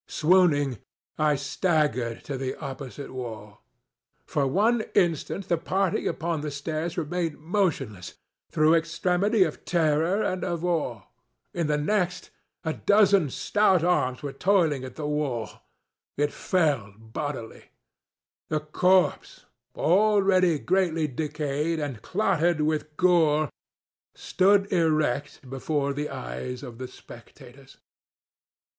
Swooning, I staggered to the opposite wall. For one instant the party upon the stairs remained motionless, through extremity of terror and of awe. In the next, a dozen stout arms were toiling at the wall. It fell bodily. The corpse, already greatly decayed and clotted with gore, stood erect before the eyes of the spectators.